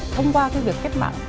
thông qua cái việc kết bạn